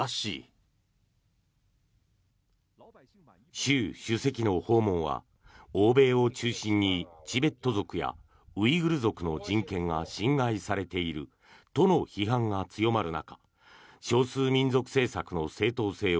習主席の訪問は欧米を中心にチベット族やウイグル族の人権が侵害されているとの批判が強まる中少数民族政策の正当性を